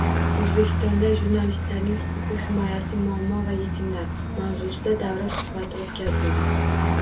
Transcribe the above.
«O‘zbekistonda jurnalistlarning huquqiy himoyasi: muammo va yechimlar» mavzusida davra suhbati o‘tkazildi.